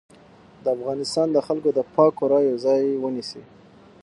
د افغانستان د خلکو د پاکو رايو ځای ونيسي.